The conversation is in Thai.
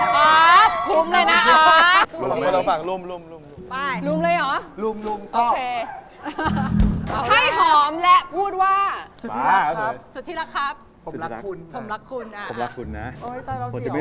อ๋อคุ้มเลยนะอ๋อ